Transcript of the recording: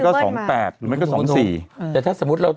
เป็นการกระตุ้นการไหลเวียนของเลือด